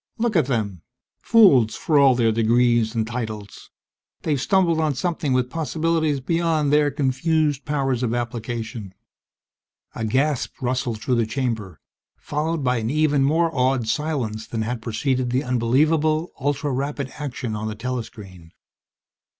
_Look at them fools for all their degrees and titles! They've stumbled on something with possibilities beyond their confused powers of application._ A gasp rustled through the chamber, followed by an even more awed silence than had preceded the unbelievable, ultra rapid action on the telescreen.